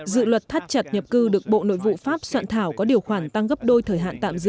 dự luật thắt chặt nhập cư được bộ nội vụ pháp soạn thảo có điều khoản tăng gấp đôi thời hạn tạm giữ